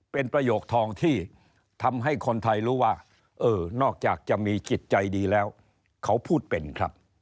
เป็นประโยคทองที่ทำให้คนไทยรู้ว่าเออนอกจากจะมีจิตใจดีแล้วเขาพูดเป็นครับ